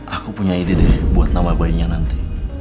aku punya ide nih buat nama bayinya nanti